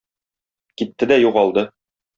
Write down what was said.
Китте дә югалды.